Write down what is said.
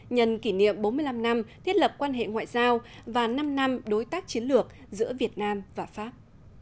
nhận kỷ niệm bốn mươi năm năm thiết lập quan hệ ngoại giao và năm năm đối tác chiến lược giữa việt nam và pháp